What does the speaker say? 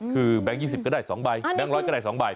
คือแบงค์๒๐ก็ได้๒ใบแบงค์๑๐๐ก็ได้๒ใบ